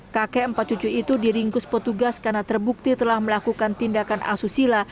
kakek empat cucu itu diringkus petugas karena terbukti telah melakukan tindakan asusila